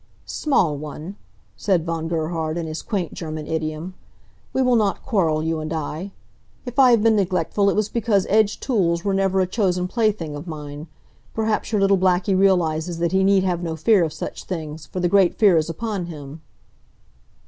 "Small one," said Von Gerhard, in his quaint German idiom, "we will not quarrel, you and I. If I have been neglectful it was because edged tools were never a chosen plaything of mine. Perhaps your little Blackie realizes that he need have no fear of such things, for the Great Fear is upon him."